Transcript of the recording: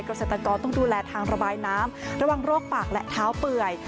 เกษตรกรต้องดูแลทางระบายน้ำระวังโรคปากและเท้าเปื่อย